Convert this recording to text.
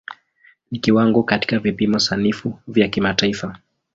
Ni kiwango katika vipimo sanifu vya kimataifa.